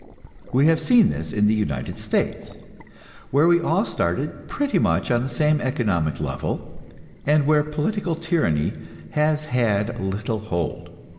We have seen this in the United States, where we all started pretty much on the same economic level, and where political tyranny has had little hold.